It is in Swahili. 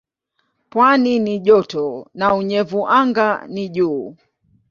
Pwani ni joto na unyevu anga ni juu.